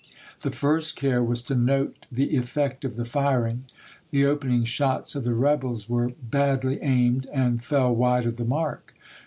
The first care was to note the effect of the firing. The opening shots of the rebels were badly aimed, and fell wide of the mark.